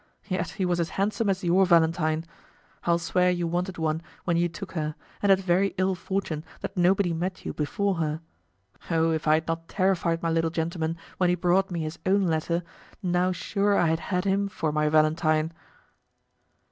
Yet he was as handsome as your Valentine. I'll swear you wanted one when you took her, and had very ill fortune that nobody met you before her. Oh, if I had not terrified my little gentleman when he brought me his own letter, now sure I had had him for my Valentine!